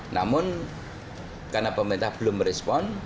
namun karena pemerintah belum merespon